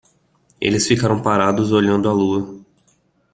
Eles ficaram parados olhando a lua.